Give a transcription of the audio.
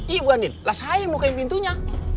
iya bu andin lah sayang buka pintunya